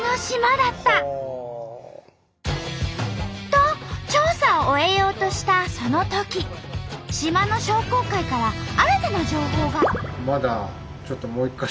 と調査を終えようとしたそのとき島の商工会から新たな情報が！